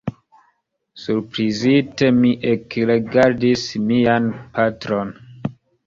Surprizite mi ekrigardis mian patron.